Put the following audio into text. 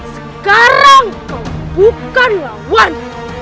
sekarang kau bukan lawan